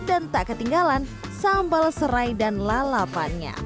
dan tak ketinggalan sambal serai dan lalapannya